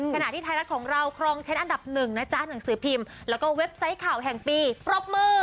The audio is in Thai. ขณะที่ไทยรัฐของเราครองเช็ดอันดับหนึ่งนะจ๊ะหนังสือพิมพ์แล้วก็เว็บไซต์ข่าวแห่งปีปรบมือ